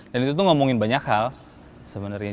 itu tuh ngomongin banyak hal sebenarnya